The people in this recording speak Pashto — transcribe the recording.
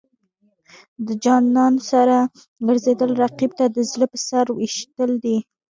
د جانان سره ګرځېدل، رقیب ته د زړه په سر ویشتل دي.